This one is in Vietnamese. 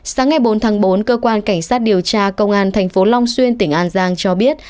sáng ngày bốn tháng bốn cơ quan cảnh sát điều tra công an thành phố long xuyên tỉnh an giang cho biết